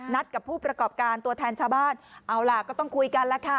กับผู้ประกอบการตัวแทนชาวบ้านเอาล่ะก็ต้องคุยกันแล้วค่ะ